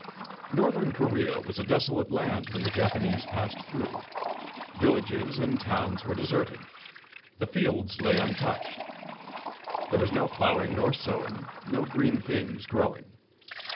Northern Korea was a desolate land when the Japanese passed through. Villages and towns were deserted. The fields lay untouched. There was no ploughing nor sowing, no green things growing.